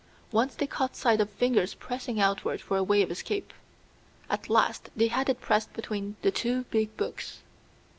Once they caught sight of fingers pressing outward for a way of escape. At last they had it pressed between the two big books.